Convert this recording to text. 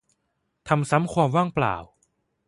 ทำซ้ำความว่างเปล่า